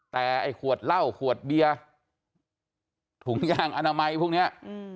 แต่ไอ้ขวดเหล้าขวดเบียร์ถุงยางอนามัยพวกนี้